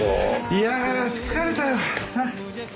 いやあ疲れたよ。